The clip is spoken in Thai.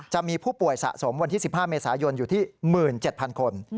จะมีผู้ป่วยสะสมวันที่๑๕เมษายนอยู่ที่๑๗๐๐คน